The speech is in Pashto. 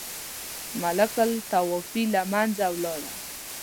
ملوک الطوایفي له منځه ولاړه.